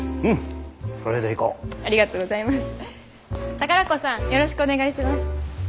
宝子さんよろしくお願いします。